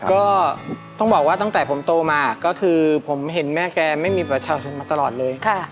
ก็ต้องบอกว่าตั้งแต่ผมโตมาก็คือผมเห็นแม่แกไม่มีประชาชนมาตลอดเลย